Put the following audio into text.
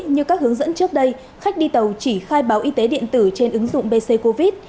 như các hướng dẫn trước đây khách đi tàu chỉ khai báo y tế điện tử trên ứng dụng bc covid